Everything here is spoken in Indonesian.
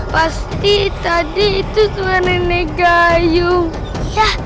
pasti tadi itu suara nenek gayung ya